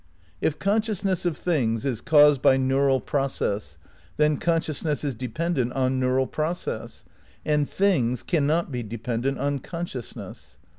If conscious ness of things is caused by neural process then con sciousness is dependent on neural process, and "things" cannot be dependent on consciousness.